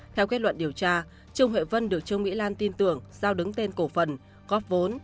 theo kết luận điều tra trương huệ vân được trương mỹ lan tin tưởng giao đứng tên cổ phần góp vốn